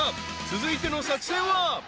続いての作戦は］